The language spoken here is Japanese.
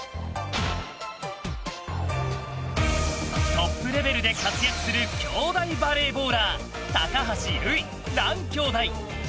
トップレベルで活躍する兄弟バレーボーラー高橋塁、藍兄弟。